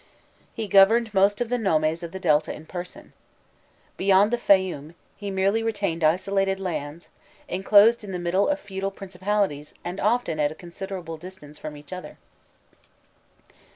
He governed most of the nomes of the Delta in person: beyond the Fayum, he merely retained isolated lands, enclosed in the middle of feudal principalities and often at considerable distance from each other.